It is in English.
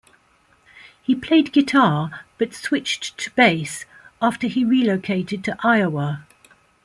He played guitar but switched to bass after he relocated to Iowa.